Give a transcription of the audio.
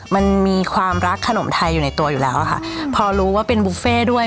มันมีความรักขนมไทยอยู่ในตัวอยู่แล้วอะค่ะพอรู้ว่าเป็นบุฟเฟ่ด้วย